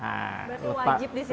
berarti wajib di sini makannya favorit